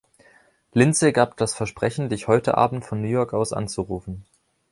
Lindsey gab das Versprechen, dich heute Abend von New York aus anzurufen.